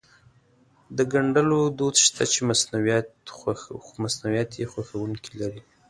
د ګنډلو دود شته چې مصنوعات يې خوښوونکي لري.